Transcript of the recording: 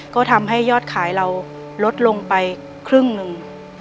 ก็ทำให้ยอดขายเราลดลงไปครึ่งหนึ่ง